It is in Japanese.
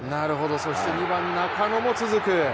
そして２番・中野も続く。